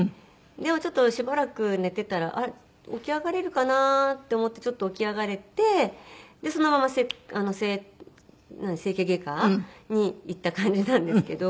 でもちょっとしばらく寝ていたらあっ起き上がれるかなと思ってちょっと起き上がれてそのまま整形外科に行った感じなんですけど。